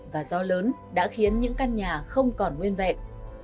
và gió lớn đã khiến những căn nhà không còn nguyên vẹn